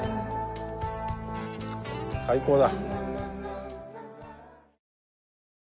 最高だ。